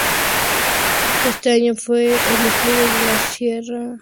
Ese año, fue el despegue de la carrera de Santos.